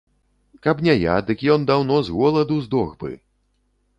Каб не я, дык ён даўно з голаду здох бы.